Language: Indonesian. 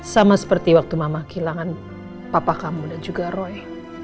sama seperti waktu mama kehilangan papa kamu dan juga roy